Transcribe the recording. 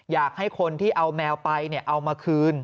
อยากให้คนที่เอาแมวไปเอามาคืน